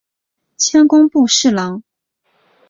迁工部侍郎。